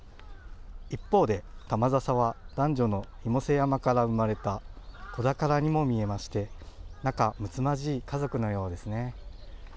一方で玉笹は男女の妹背山から産まれた子宝にも見えまして仲むつまじい家族のようですね。